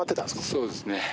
そうですね。